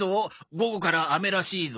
午後から雨らしいぞ。